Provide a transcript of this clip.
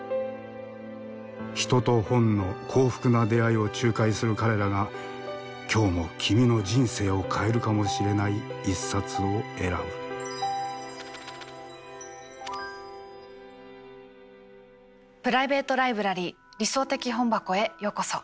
人と本の幸福な出会いを仲介する彼らが今日も君の人生を変えるかもしれない一冊を選ぶプライベート・ライブラリー「理想的本箱」へようこそ。